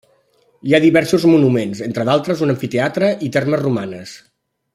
Hi ha diversos monuments, entre d'altres un amfiteatre i termes romanes.